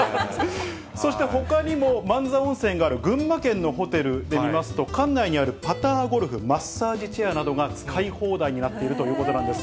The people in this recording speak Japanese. そして、ほかにも万座温泉がある群馬県のホテルで見ますと、館内にあるパターゴルフ、マッサージチェアなどが使い放題になっているということなんです。